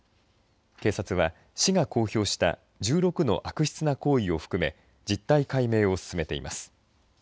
警察は市が公表した１６の悪質な行為を含め実態解明を進めています。